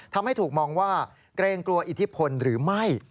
ทำให้ถูกมองว่าเกรงกลัวอิทธิพลหรือไม่